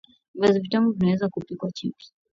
Viazi vitamu vinaweza kupikwa chips